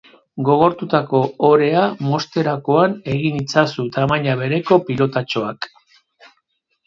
Gogortutako orea mozterakoan egin itzazu tamaina bereko pilotatxoak.